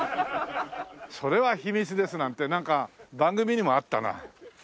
「それは秘密です」なんてなんか番組にもあったな。